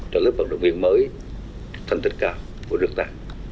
trong lớp vận động viên mới thân tịch cao của nước ta